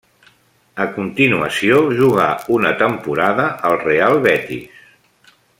A continuació jugà una temporada al Real Betis.